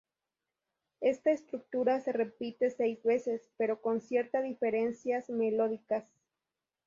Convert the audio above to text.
Esta estructura se repite seis veces, pero con ciertas diferencias melódicas.